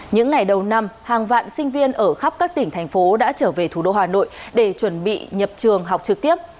những ngày đầu năm hàng vạn sinh viên ở khắp các tỉnh thành phố đã trở về thủ đô hà nội để chuẩn bị nhập trường học trực tiếp